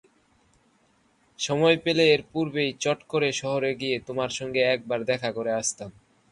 সময় পেলে এর পূর্বেই চট করে শহরে গিয়ে তোমার সঙ্গে একবার দেখা করে আসতাম।